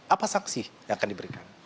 apa saksi yang akan diberikan